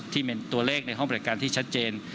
ที่เป็นตัวเลขในห้องบริการที่ชัดเจน